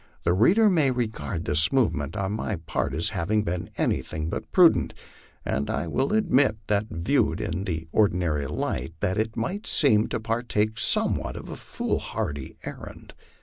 The reader may regard this movement on my part as having been anything but prudent, and I will admit that viewed in the ordinary light it might seem to partake somewhat of a foolhardy errand.